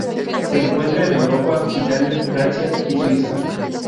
Se encuentra en Europa: Italia, Francia y Suiza.